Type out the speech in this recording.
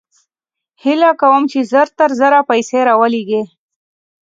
هېله کوم چې زر تر زره پیسې راولېږې